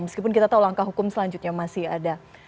meskipun kita tahu langkah hukum selanjutnya masih ada